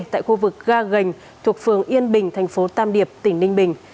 tại khu vực ga gành thuộc phường yên bình thành phố tam điệp tỉnh ninh bình